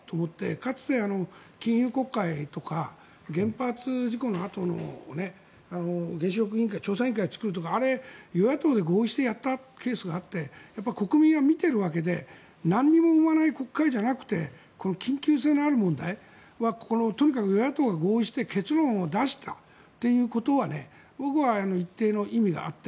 かつて金融国会とか原発事故のあとの原子力委員会調査委員会を作るとかあれ、与野党で合意してやったケースがあって国民は見ているわけで何も生まない国会じゃなくて緊急性のある問題はとにかく与野党が合意して結論を出したということは僕は一定の意味があって。